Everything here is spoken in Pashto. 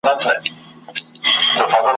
او ساړه او توند بادونه `